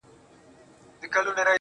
او موسیقیت به ښایي هغه څه وي